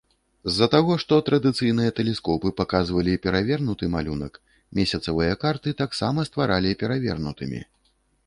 З-за таго, што традыцыйныя тэлескопы паказвалі перавернуты малюнак, месяцавыя карты таксама стваралі перавернутымі.